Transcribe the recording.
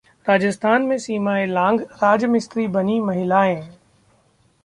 राजस्थान में सीमाएं लांघ राजमिस्त्री बनीं महिलाएं